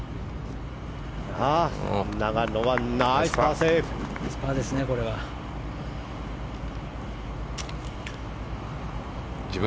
永野はナイスパーセーブ。